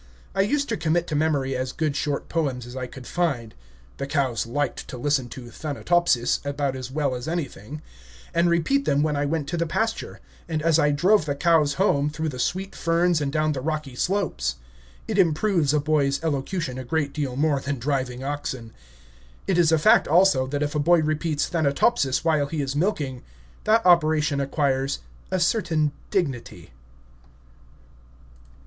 I used to commit to memory as good short poems as I could find (the cows liked to listen to "Thanatopsis" about as well as anything), and repeat them when I went to the pasture, and as I drove the cows home through the sweet ferns and down the rocky slopes. It improves a boy's elocution a great deal more than driving oxen. It is a fact, also, that if a boy repeats "Thanatopsis" while he is milking, that operation acquires a certain dignity.